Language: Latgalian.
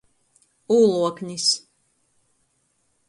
Ūluoknis.